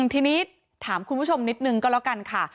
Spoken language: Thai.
ทีนี้ถามคุณผู้ชมนิดนึงก็แล้วกันค่ะ